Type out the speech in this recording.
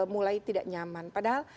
mulai tidak nyaman padahal